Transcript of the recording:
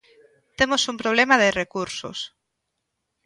Temos un problema de recursos.